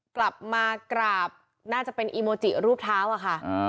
กลับมากราบน่าจะเป็นอีโมจิรูปเท้าอะค่ะ